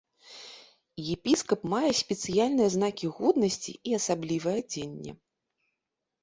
Епіскап мае спецыяльныя знакі годнасці і асаблівае адзенне.